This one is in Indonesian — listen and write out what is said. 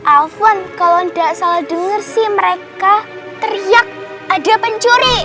alfon kalau tidak salah dengar sih mereka teriak ada pencuri